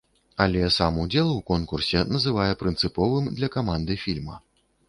Але сам удзел у конкурсе называе прынцыповым для каманды фільма.